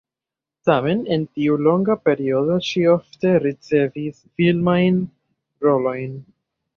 Tamen en tiu longa periodo ŝi ofte ricevis filmajn rolojn.